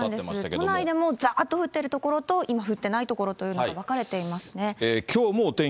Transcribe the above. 都内でもざーっと降っている所と、今降っていない所というのが分かれていますね。